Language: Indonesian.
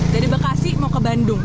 dari bekasi mau ke bandung